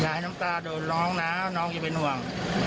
อย่าให้น้องตาโดนน้องนะน้องจะเป็นห่วง